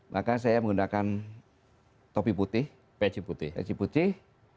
maka saya menggunakan topi putih peci putih